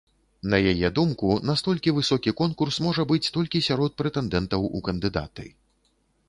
На яе думку, настолькі высокі конкурс можа быць толькі сярод прэтэндэнтаў у кандыдаты.